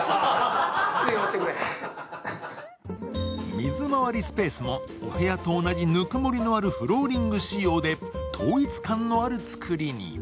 水回りスペースもお部屋と同じ温もりのあるフローリング仕様で統一感のある造りに。